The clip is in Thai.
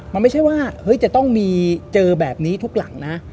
มันไม่ใช่ว่าจะต้องมีเจอแบบนี้ทุกหลังนะ